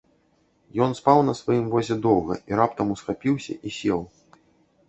Ён спаў на сваім возе доўга і раптам усхапіўся і сеў.